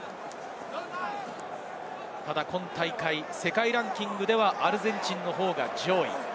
ただ今大会、世界ランキングではアルゼンチンの方が上位。